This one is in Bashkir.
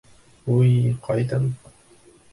— Уй-й, ҡайҙан...